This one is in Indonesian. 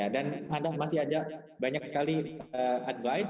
dan masih ada banyak sekali advice